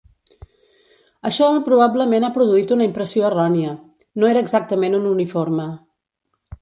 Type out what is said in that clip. Això probablement ha produït una impressió errònia. no era exactament un uniforme.